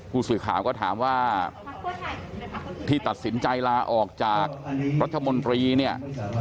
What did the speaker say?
ผู้สื่อข่าวก็ถามว่าที่ตัดสินใจลาออกจากรัฐมนตรีเนี่ย